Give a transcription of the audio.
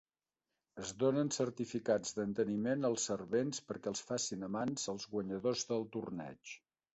Es donen certificats d'enteniment als servents perquè els facin a mans als guanyadors del torneig.